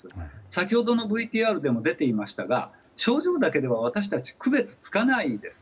先ほどのＶＴＲでも出ていましたが、症状だけでは私たち、区別がつかないんです。